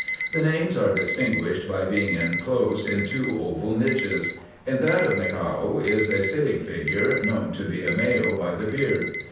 The names are distinguished by being inclosed in two oval niches. In that of Nichao is a sitting figure, known to be a male by the beard.